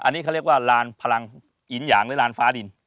อันนี้เขาเรียกว่าลานพลังหินหยางหรือลานฟ้าดิน